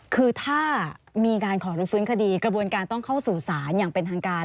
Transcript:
คือถ้ามีการขอรบฟื้นคดีกระบวนการต้องเข้าสู่ศาลอย่างเป็นทางการ